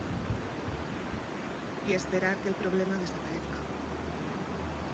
y esperar que el problema desaparezca.